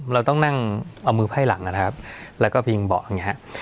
เราต้องนั่งเอามือไพ่หลังนะครับแล้วก็พิงเบาะอย่างนี้ครับ